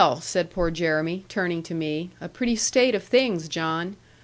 said poor Jeremy, turning to me; 'a pretty state of things, John!